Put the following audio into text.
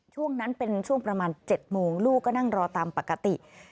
ช่วงนั้นเป็นช่วงประมาณ๗โมงลูกก็นั่งรอตามปกติ